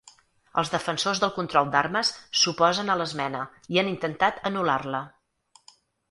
Els defensors del control d'armes s'oposen a l'esmena i han intentat anul·lar-la.